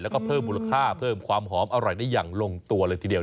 แล้วก็เพิ่มมูลค่าเพิ่มความหอมอร่อยได้อย่างลงตัวเลยทีเดียว